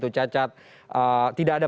cacat tidak ada